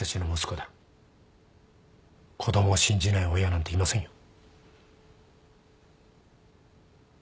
子供を信じない親なんていませんよ。